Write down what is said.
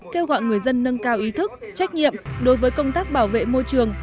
kêu gọi người dân nâng cao ý thức trách nhiệm đối với công tác bảo vệ môi trường